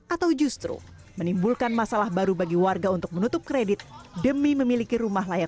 atau justru menimbulkan masalah baru bagi warga untuk menutup kredit demi memiliki rumah layak